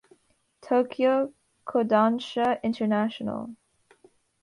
Tokyo: Kodansha International.